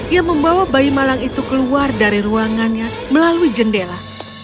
yang membawa bayi malang itu keluar dari ruangannya melalui jendela